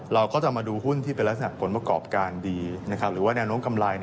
เราก็จะมาดูหุ้นที่เป็นลักษณะผลประกอบการดีหรือว่าแนวโน้มกำไร